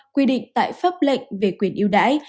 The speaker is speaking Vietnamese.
quy định tại pháp lệnh về quyền yêu đáy